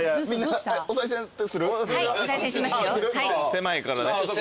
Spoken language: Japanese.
狭いから。